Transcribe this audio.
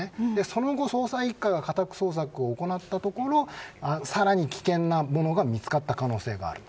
その後、捜査一課が家宅捜索を行ったところさらに危険なものが見つかった可能性がある。